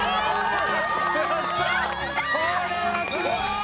これはすごい！